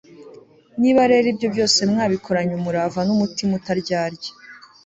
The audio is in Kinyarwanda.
niba rero ibyo byose mwabikoranye umurava n'umutima utaryarya